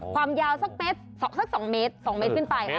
ความยาวสักเมตรสักสองเมตรสองเมตรขึ้นไปสองเมตร